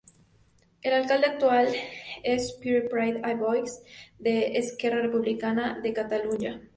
El alcalde actual es Pere Prat i Boix, de Esquerra Republicana de Catalunya.